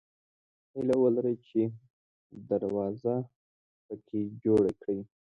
هیله ولره چې دروازه پکې جوړه کړې.